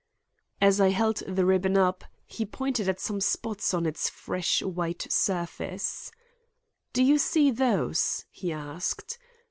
As I held the ribbon up, he pointed to some spots on its fresh white surface. "Do you see those?" he asked.